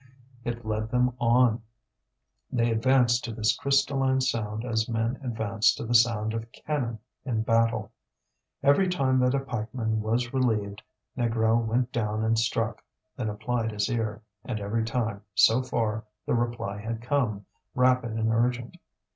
It led them on; they advanced to this crystalline sound as men advance to the sound of cannon in battle. Every time that a pikeman was relieved, Négrel went down and struck, then applied his ear; and every time, so far, the reply had come, rapid and urgent.